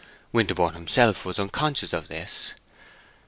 Winterborne himself was unconscious of this.